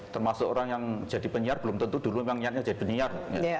termasuk orang yang jadi penyiar belum tentu dulu memang niatnya jadi penyiar